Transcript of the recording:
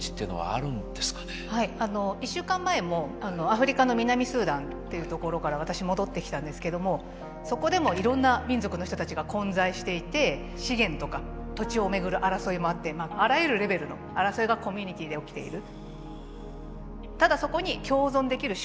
あの１週間前もアフリカの南スーダンっていう所から私戻ってきたんですけどもそこでもいろんな民族の人たちが混在していて資源とか土地を巡る争いもあってあらゆるレベルの争いがコミュニティーで起きている。